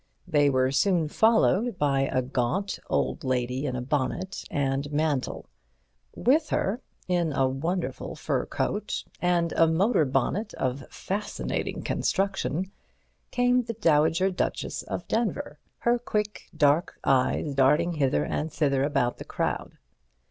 They were soon followed by a gaunt old lady in a bonnet and mantle. With her, in a wonderful fur coat and a motor bonnet of fascinating construction, came the Dowager Duchess of Denver, her quick, dark eyes darting hither and thither about the crowd.